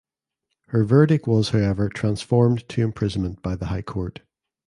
Her verdict was however transformed to imprisonment by the high court.